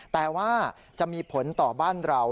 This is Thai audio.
แต่ว่าจะมีผลต่อบ้านเรา